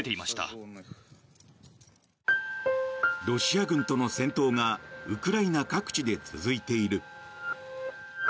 ロシア軍との戦闘がウクライナ各地で続いている。